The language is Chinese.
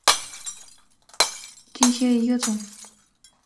坚叶毛蕨为金星蕨科毛蕨属下的一个种。